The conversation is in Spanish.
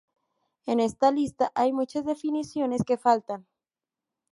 En esta lista hay muchas definiciones que faltan.